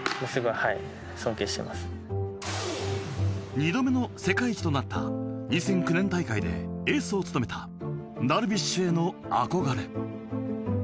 ２度目の世界一となった２００９年大会でエースを務めたダルビッシュへの憧れ。